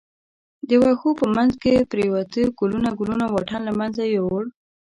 د وښو په منځ کې پروتې کلونه کلونه واټن له منځه یووړ.